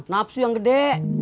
napsu yang gede